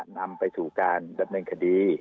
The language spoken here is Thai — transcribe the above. นำไปสู่นั้นสู่การมคดี